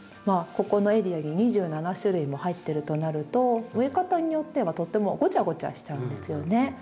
ここのエリアに２７種類も入ってるとなると植え方によってはとてもごちゃごちゃしちゃうんですよね。